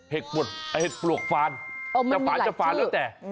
เห็ดปลวกฟานจะฝาจะฟานแล้วแต่